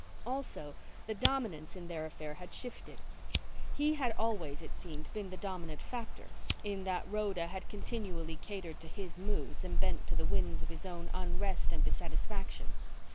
Also, the dominance in their affair had shifted. He had always, it seemed, been the dominant factor, in that Rhoda had continually catered to his moods and bent to the winds of his own unrest and dissatisfaction.